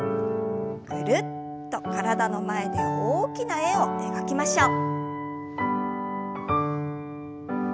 ぐるっと体の前で大きな円を描きましょう。